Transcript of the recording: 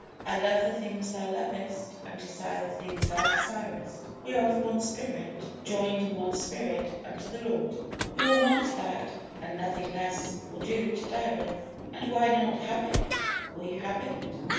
I love the things Thou lovest, and desire the things Thou desirest. We are of one spirit, 'joined in one spirit unto the Lord.'" You will want that, and nothing less will do to die with. And why not have it? Will you have it?